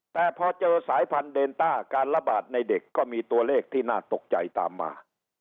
แต่พอเจอสายพันธุเดนต้าการระบาดในเด็กก็มีตัวเลขที่น่าตกใจตามมา